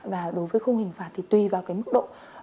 và đối với khung hình phạt thì tùy vào cái mức độ